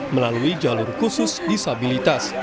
melalui jalur khusus disabilitas